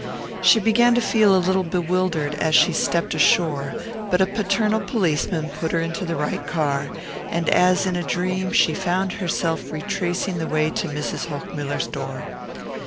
She began to feel a little bewildered as she stepped ashore, but a paternal policeman put her into the right car, and as in a dream she found herself retracing the way to Mrs. Hochmuller's door.